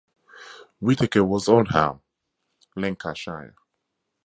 Whittaker was Oldham, Lancashire.